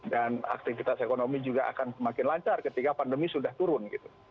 dan aktivitas ekonomi juga akan semakin lancar ketika pandemi sudah turun